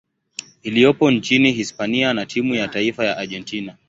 iliyopo nchini Hispania na timu ya taifa ya Argentina.